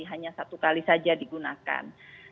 hanya satu kali saja digunakan